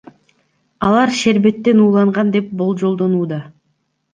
Алар шербеттен ууланган деп болжолдонууда.